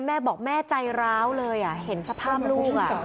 แม่บอกว่าแม่ใจร้าวเลยอ่ะเห็นสภาพลูกอ่ะ